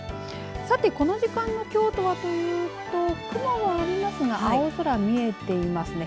さて、この時間の京都はというと雲もありますが青空、見えていますね。